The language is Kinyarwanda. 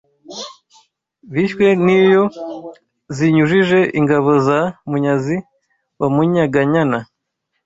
Bishywe n’iyo zinyujije ingabo za Munyazi wa Munyaganyana